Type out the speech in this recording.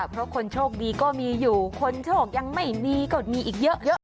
เพราะคนโชคดีก็มีอยู่คนโชคยังไม่มีก็มีอีกเยอะ